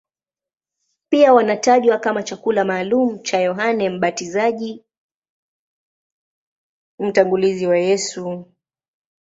Pia wanatajwa kama chakula maalumu cha Yohane Mbatizaji, mtangulizi wa Yesu.